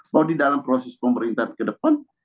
bahwa di dalam proses pemerintahan ke depan